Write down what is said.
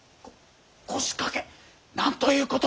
こ腰掛け！？何ということ。